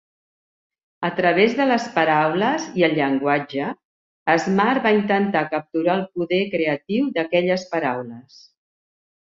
A través de les paraules i el llenguatge, Smart va intentar capturar el poder creatiu d'aquelles paraules.